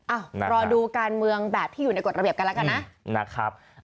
อ้าวรอดูการเมืองแบบที่อยู่ในกฎระเบียบกันแล้วกันนะ